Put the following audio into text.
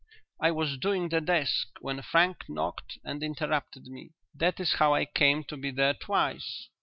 I was doing the desk when Frank knocked and interrupted me. That is how I came to be there twice."